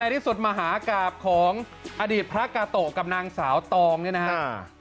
ที่สุดมหากราบของอดีตพระกาโตะกับนางสาวตองเนี่ยนะครับ